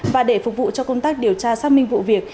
và để phục vụ cho công tác điều tra xác minh vụ việc